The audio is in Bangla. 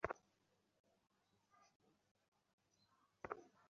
দেখুন, রাজনীতির সঙ্গে গণমাধ্যমের একটি স্থায়ী দ্বৈরথ আছে এবং সেটি থাকবে।